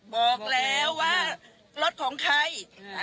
บอกแล้วว่ารถของใคร